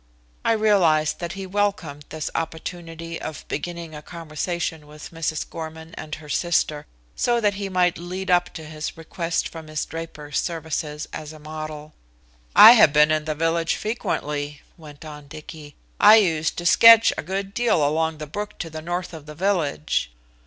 I realized that he welcomed this opportunity of beginning a conversation with Mrs. Gorman and her sister, so that he might lead up to his request for Miss Draper's services as a model. "I have been in the village frequently," went on Dicky. "I used to sketch a good deal along the brook to the north of the village."